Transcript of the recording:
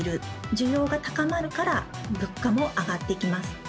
需要が高まるから、物価も上がってきます。